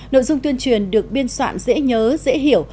nội dung tuyên truyền được biên soạn dễ nhớ dễ hiểu